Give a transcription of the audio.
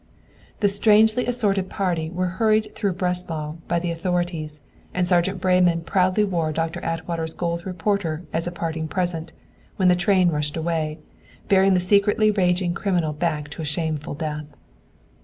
The strangely assorted party were hurried through Breslau by the authorities, and Sergeant Breyman proudly wore Doctor Atwater's gold repeater as a parting present, when the train rushed away, bearing the secretly raging criminal back to a shameful death.